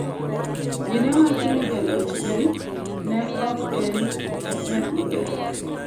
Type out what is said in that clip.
Ji ne wacho ni jalochgi ne ok en ng'at maber.